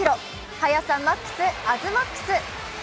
速さマックス、アズマックス！